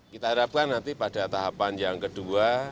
kita harapkan nanti pada tahapan yang kedua